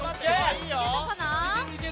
行けたかな。